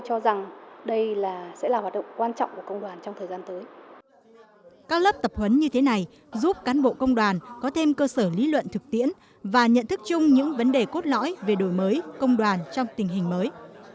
các lớp tập huấn như thế này giúp cán bộ công đoàn có thêm cơ sở lý luận thực tiễn và nhận thức chung những vấn đề cốt lõi về đổi mới công đoàn trong tình hình mới